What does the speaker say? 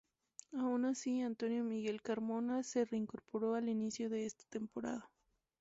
Aun así, Antonio Miguel Carmona se reincorporó al inicio de esta temporada.